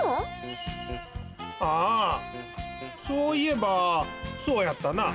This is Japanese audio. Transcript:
あそういえばそうやったな。